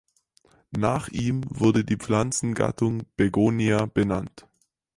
Nach ihm wurde die Pflanzengattung Begonia benannt.